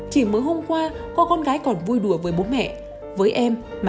chỉ mới hôm qua cô con gái còn vui đùa với bố mẹ với em